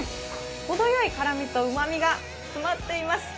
ほどよい辛みとうまみが詰まっています！